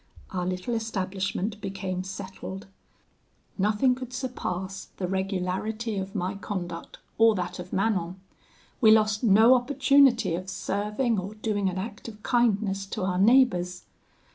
Our little establishment became settled: nothing could surpass the regularity of my conduct, or that of Manon; we lost no opportunity of serving or doing an act of kindness to our neighbours.